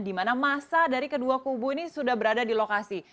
di mana masa dari kedua kubu ini sudah berada di lokasi